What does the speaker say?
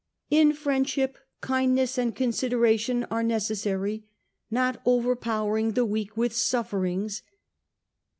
'In friendship, kindness and consideration are neces sary, not overpowering the weak with sufferings!